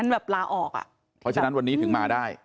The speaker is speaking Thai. เพราะฉะนั้นวันนี้ถึงมาได้